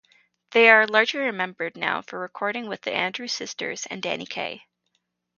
They are largely remembered now for recording with The Andrews Sisters and Danny Kaye.